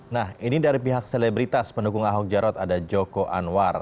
nah ini dari pihak selebritas pendukung ahok jarot ada joko anwar